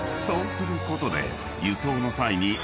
［そうすることで輸送の際に］